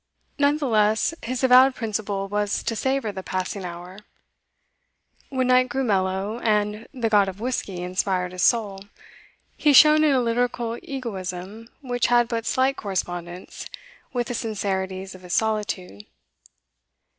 None the less, his avowed principle was to savour the passing hour. When night grew mellow, and the god of whisky inspired his soul, he shone in a lyrical egoism which had but slight correspondence with the sincerities of his solitude.